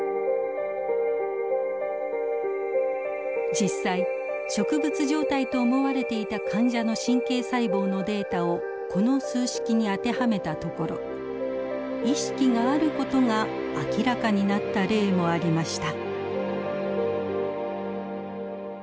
実際植物状態と思われていた患者の神経細胞のデータをこの数式に当てはめたところ意識がある事が明らかになった例もありました。